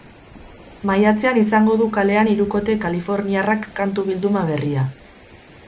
Maiatzean izango du kalean hirukote kaliforniarrak kantu-bilduma berria.